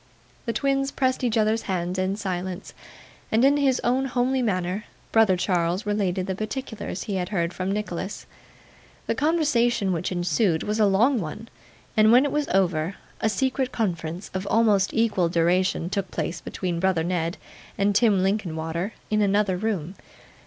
The twins pressed each other's hands in silence; and in his own homely manner, brother Charles related the particulars he had heard from Nicholas. The conversation which ensued was a long one, and when it was over, a secret conference of almost equal duration took place between brother Ned and Tim Linkinwater in another room.